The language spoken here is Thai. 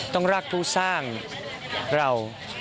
ต้องรากผู้สร้างเรา